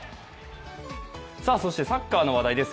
そしてサッカーの話題です。